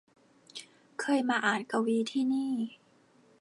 เคยมาอ่านกวีที่นี่